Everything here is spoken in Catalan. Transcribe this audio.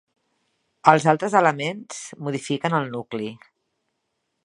Els altres elements modifiquen el nucli.